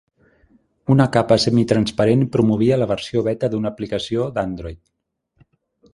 Una capa semitransparent promovia la versió beta d'una aplicació d'Android.